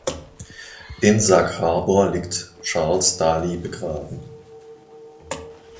In Sag Harbor liegt Charles Daly begraben.